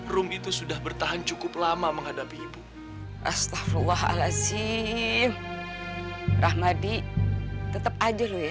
rum itu sudah bertahan cukup lama menghadapi ibu astaghfirullahaladzim rahmadi tetep aja lu ya